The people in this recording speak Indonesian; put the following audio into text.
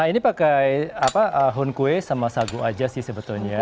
ini pakai houn kue sama sagu aja sih sebetulnya